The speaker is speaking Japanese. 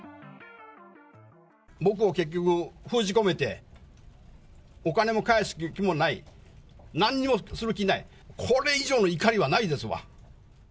僕を結局封じ込めて、お金も返す気もない、なんにもする気ない、これ以上の怒りはないですわ。